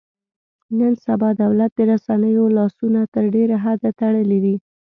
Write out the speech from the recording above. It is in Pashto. نن سبا دولت د رسنیو لاسونه تر ډېره حده تړلي دي.